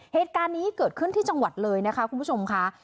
เหตุการณ์นี้เกิดขึ้นที่จังหวัดเลยนะคะคุณผู้ชมค่ะ